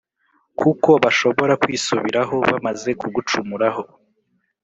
kuko bashobora kwisubiraho, bamaze kugucumuraho.